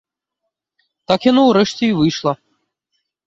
Так яно, урэшце, і выйшла.